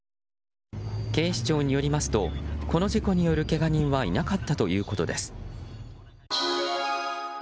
警視庁によりますとこの事故によるけが人はいなかったということです。